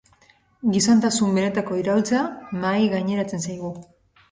Gizontasun benetako iraultza mahai gaineratzen zaigu.